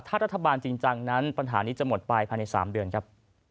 ถ้ารัฐบาลจริงจังนั้นปัญหานี้จะหมดไปภายใน๓เดือนครับ